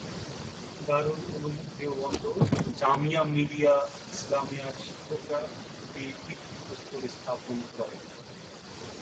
দারুল উলুম দেওবন্দ ও জামিয়া মিলিয়া ইসলামিয়ার শিক্ষকরা এই ভিত্তিপ্রস্তর স্থাপন করেন।